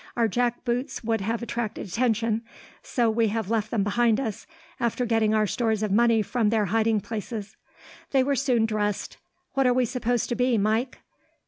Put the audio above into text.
Our jack boots would have attracted attention, so we have left them behind us, after getting our stores of money from their hiding places." They were soon dressed. "What are we supposed to be, Mike?"